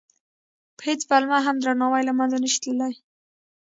په هېڅ پلمه هم درناوی له منځه نه شي تللی.